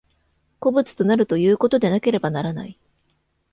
個物となるということでなければならない。